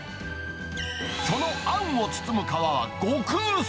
そのあんを包む皮は極薄。